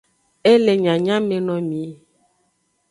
E le nyanyamenomi.